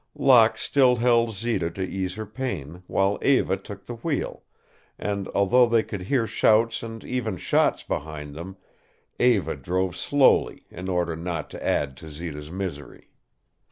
Locke still held Zita to ease her pain, while Eva took the wheel, and, although they could hear shouts and even shots behind them, Eva drove slowly in order not to add to Zita's misery.